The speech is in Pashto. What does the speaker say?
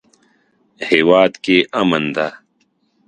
هیواد کې امن ده